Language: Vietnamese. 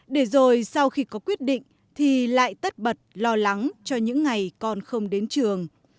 để rồi sau khi có quyết định thì lại tất bật lo lắng cho những ngày con không đến trường